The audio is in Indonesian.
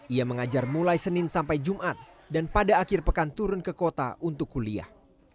ia mengajar mulai senin sampai jumat dan pada akhir pekan turun ke kota untuk kuliah